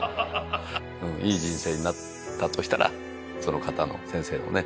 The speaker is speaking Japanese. いい人生になったとしたらその方の先生のね。